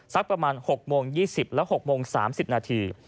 สักประมาณ๖โมง๒๐และ๖โมง๓๐นาที